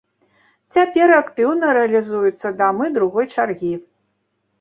Цяпер актыўна рэалізуюцца дамы другой чаргі.